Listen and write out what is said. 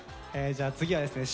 じゃあ次はですね